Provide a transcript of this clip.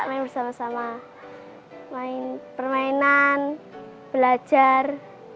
main bersama sama main permainan belajar